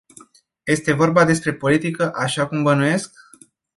Este vorba despre politică, așa cum bănuiesc?